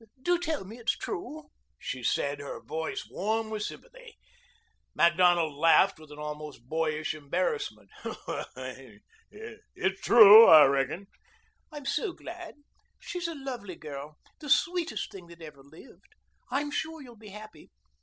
Do tell me it's true," she said, her voice warm with sympathy. Macdonald laughed with an almost boyish embarrassment. "It's true, I reckon." "I'm so glad. She's a lovely girl. The sweetest thing that ever lived. I'm sure you'll be happy.